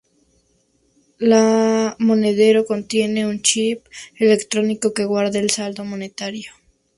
La Monedero contiene un chip electrónico que guarda el saldo monetario.